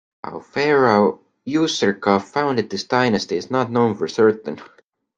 How Pharaoh Userkaf founded this dynasty is not known for certain.